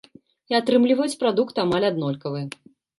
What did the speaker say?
І атрымліваюць прадукт амаль аднолькавы.